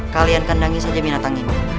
kalian kandangi saja binatang ini